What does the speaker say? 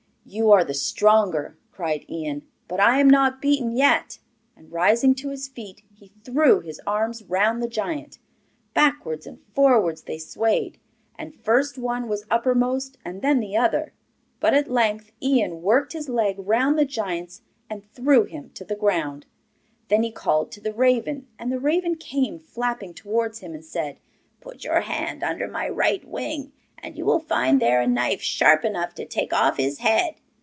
'You are the stronger,' cried Ian; 'but I am not beaten yet.' And rising to his feet, he threw his arms round the giant. Backwards and forwards they swayed, and first one was uppermost and then the other; but at length Ian worked his leg round the giant's and threw him to the ground. Then he called to the raven, and the raven came flapping towards him, and said: 'Put your hand under my right wing, and you will find there a knife sharp enough to take off his head.